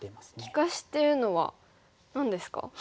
利かしっていうのは何ですか？